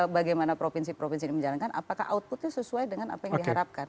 bagaimana provinsi provinsi ini menjalankan apakah outputnya sesuai dengan apa yang diharapkan